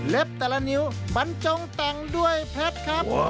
แต่ละนิ้วบรรจงแต่งด้วยเพชรครับ